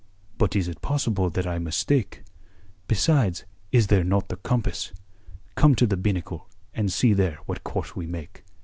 "But is it possible that I mistake? Besides, is there not the compass? Come to the binnacle and see there what course we make."